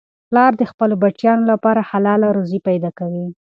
پلار د خپلو بچیانو لپاره حلاله روزي پیدا کوي.